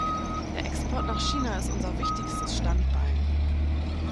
Der Export nach China ist unser wichtigstes Standbein.